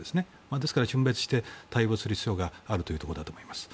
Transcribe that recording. ですから、しゅん別して対応する必要があるということだと思います。